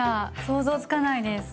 想像つかないです。